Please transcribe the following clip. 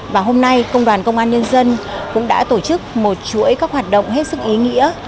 và hôm nay công đoàn công an nhân dân cũng đã tổ chức một chuỗi các hoạt động hết sức ý nghĩa